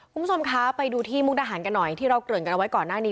คุณผู้ชมคะไปดูที่มุกดาหารกันหน่อยที่เราเกริ่นกันเอาไว้ก่อนหน้านี้